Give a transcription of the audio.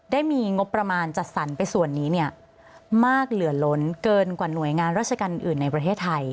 ได้มีงบประมาณจัดสรรไปส่วนนี้เนี่ยมากเหลือล้นเกินกว่าหน่วยงานราชการอื่นในประเทศไทย